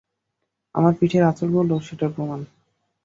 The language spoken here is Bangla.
আমার পিঠের আচড় গুলো সেটার প্রমান।